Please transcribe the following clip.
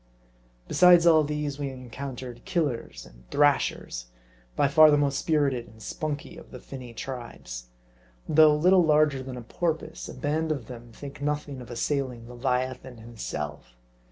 Besides all these, we encountered Killers and Thrashers, by far the most spirited and "spunky" of the finny tribes. Though little larger than a porpoise; a band of them think nothing of assailing leviathan himself.